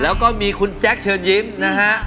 แล้วก็มีคุณแจ๊คเชิญยิ้มนะฮะ